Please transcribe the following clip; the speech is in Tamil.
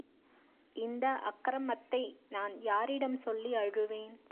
இந்த அக்ரமத்தை நான் யாரிடம் சொல்லி அழுவேன்!